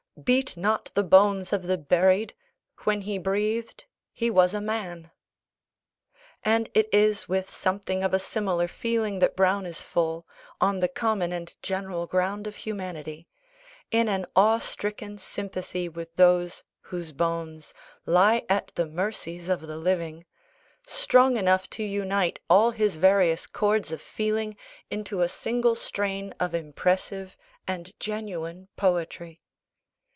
"Beat not the bones of the buried: when he breathed, he was a man!" And it is with something of a similar feeling that Browne is full, on the common and general ground of humanity; an awe stricken sympathy with those, whose bones "lie at the mercies of the living," strong enough to unite all his various chords of feeling into a single strain of impressive and genuine poetry.